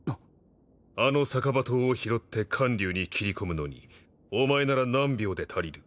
あの逆刃刀を拾って観柳に斬り込むのにお前なら何秒で足りる？